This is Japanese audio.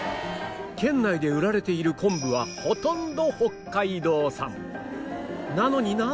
県内で売られている昆布はほとんど北海道産